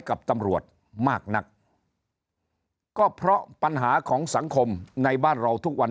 กับตำรวจมากนักก็เพราะปัญหาของสังคมในบ้านเราทุกวัน